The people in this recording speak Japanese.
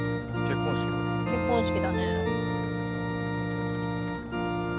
結婚式だね。